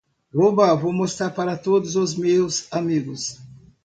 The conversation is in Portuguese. Oba, vou mostrar para todos os meus amigos.